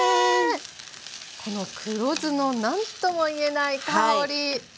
この黒酢の何ともいえない香り！